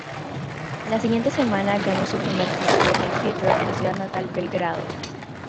La siguiente semana ganó su primer título de Future en su ciudad natal, Belgrado.